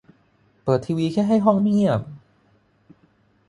เปิดทีวีแค่ให้ห้องไม่เงียบ